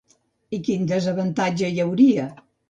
I quin desavantatge hi hauria?